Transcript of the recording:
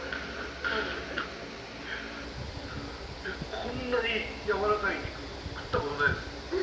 こんなにやわらかい肉食ったことないです